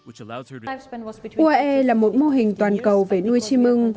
uae là một mô hình toàn cầu về nuôi chim mưng